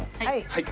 はい。